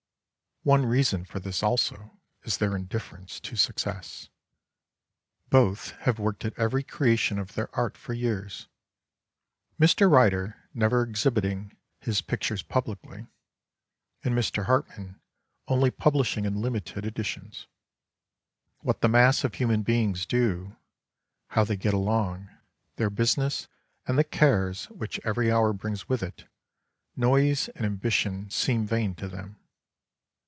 One reason for this also is their indifference to success. Both have worked at every creation of their art for years, Mr. Ryder never exhi biting his pictures publicly, and Mr. Hartmann only publishing in limited editions. What the mass of human beings do, how they get along, their business and the cares which every hour brings with it, noise and ambition seem vain to them.